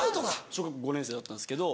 小学５年生だったんですけど。